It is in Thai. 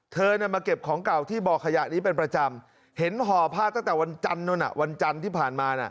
เธอมาเก็บของเก่าที่บ่อขยะนี้เป็นประจำเห็นห่อผ้าตั้งแต่วันจันทร์วันจันทร์ที่ผ่านมา